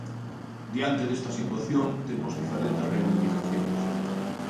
Diante desta situación, temos diferentes reivindicacións.